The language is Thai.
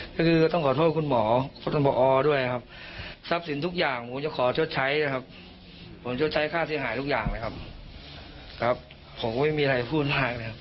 ก็คือต้องขอโทษคุณหมอท่านพอด้วยครับทรัพย์สินทุกอย่างผมจะขอชดใช้นะครับผมชดใช้ค่าเสียหายทุกอย่างเลยครับครับผมก็ไม่มีอะไรพูดมากนะครับ